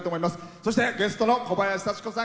そしてゲストの小林幸子さん